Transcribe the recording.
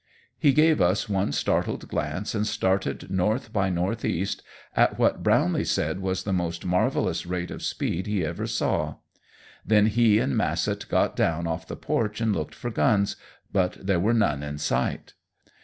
He gave us one startled glance and started north by northeast at what Brownlee said was the most marvelous rate of speed he ever saw. Then he and Massett got down off the porch and looked for guns, but there were none in sight.